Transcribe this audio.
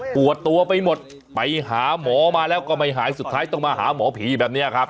ปวดตัวไปหมดไปหาหมอมาแล้วก็ไม่หายสุดท้ายต้องมาหาหมอผีแบบนี้ครับ